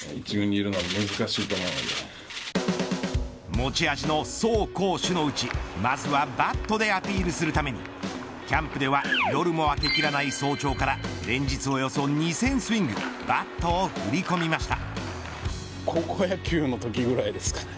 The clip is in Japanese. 持ち味の走攻守のうちまずはバットでアピールするためにキャンプでは夜も明け切らない早朝から連日およそ２０００スイングバットを振り込みました。